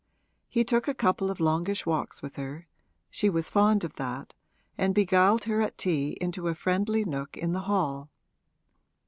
He took a couple of longish walks with her (she was fond of that), and beguiled her at tea into a friendly nook in the hall.